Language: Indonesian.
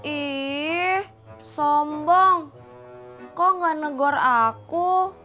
ih sombong kok gak negor aku